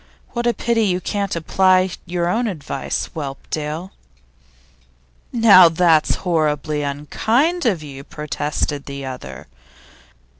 What a pity you can't apply your own advice, Whelpdale!' 'Now that's horribly unkind of you!' protested the other.